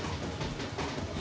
aku mau ke rumah